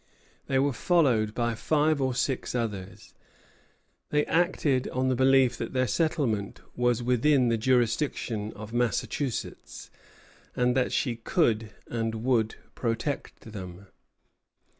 They were followed by five or six others. They acted on the belief that their settlement was within the jurisdiction of Massachusetts, and that she could and would protect them.